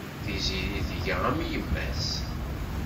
Tiziri tga am yemma-s.